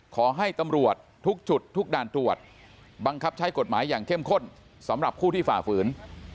ขอให้ตำรวจทุกจุดทุกด่านตรวจบังคับใช้กฎหมายอย่างเข้มข้นสำหรับผู้ที่ฝ่าฝืน